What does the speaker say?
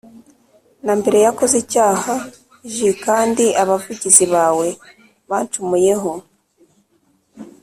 na mbere yakoze icyaha j kandi abavugizi bawe bancumuyeho